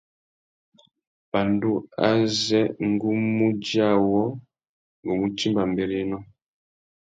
Pandú azê ngu mú djï awô, ngu mú timba mbérénó.